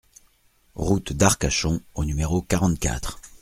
Route d'Arcachon au numéro quarante-quatre